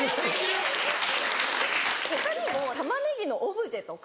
他にも玉ねぎのオブジェとか。